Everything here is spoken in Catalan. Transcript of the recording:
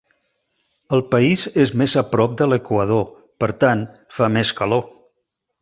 El país és més a prop de l'equador, per tant fa més calor.